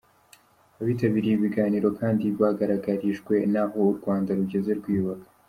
Abitabirye ibi biganiro kandi bagaragarijwe n’aho u Rwanda rugeze rwiyubaka.